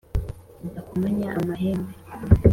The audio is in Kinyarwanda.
zidakomanya amahembe